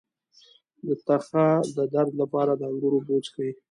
د تخه د درد لپاره د انګور اوبه وڅښئ